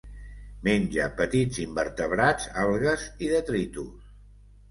Menja petits invertebrats, algues i detritus.